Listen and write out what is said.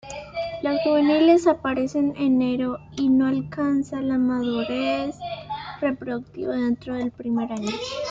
Los juveniles aparecen enero y no alcanzan la madurez reproductiva dentro del primer año.